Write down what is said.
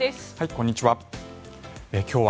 こんにちは。